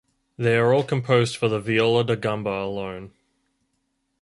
They are all composed for the viola da gamba alone.